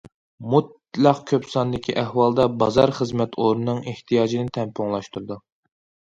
مۇتلەق كۆپ ساندىكى ئەھۋالدا، بازار خىزمەت ئورنىنىڭ ئېھتىياجىنى تەڭپۇڭلاشتۇرىدۇ.